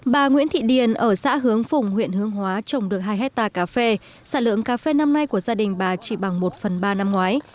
bà nguyễn thị điền ở xã hướng phùng huyện hương hóa trồng được hai hectare cà phê sản lượng cà phê năm nay của gia đình bà chỉ bằng một phần ba năm ngoái